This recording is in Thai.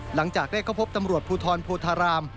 หลังจากได้เข้าพบตำรวจภูทรโพธาราม